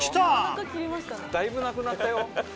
世いなくなったよ。